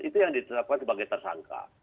itu yang ditetapkan sebagai tersangka